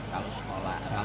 kalau sekolah kalau mps